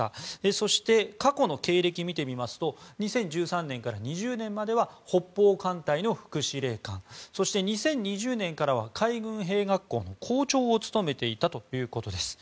そして、過去の経歴を見てみますと２０１３年から２０年までは北方艦隊の副司令官そして２０２０年からは海軍兵学校の校長を務めていたということです。